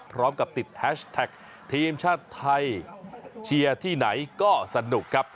พร้อมกับติดแฮชแท็กทีมชาติไทยเชียร์ที่ไหนก็สนุกครับ